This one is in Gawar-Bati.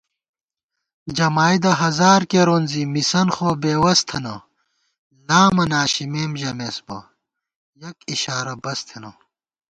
جمائیدہ ہزارکېرون زی مِسَن خوبېوَس تھنہ * لامہ ناشِمېم ژَمېسبہ یَک اِشارہ بس تھنہ